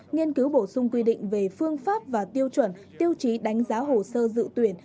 nghiên cứu bổ sung quy định về phương pháp và tiêu chuẩn tiêu chí đánh giá hồ sơ dự tuyển